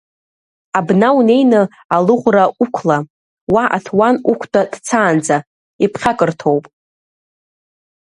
Абна унеины алыӷәра уқәла, уа аҭуан уқәтәа дцаанӡа, иԥхьакырҭоуп!